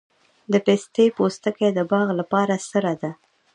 د پستې پوستکي د باغ لپاره سره ده؟